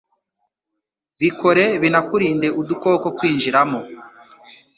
bikore binakurinde udukoko kwinjiramo,